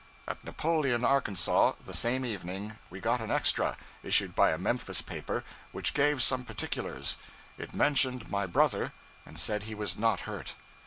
At Napoleon, Arkansas, the same evening, we got an extra, issued by a Memphis paper, which gave some particulars. It mentioned my brother, and said he was not hurt.